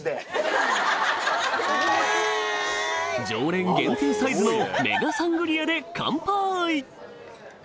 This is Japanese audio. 常連限定サイズのメガサングリアでカンパイ！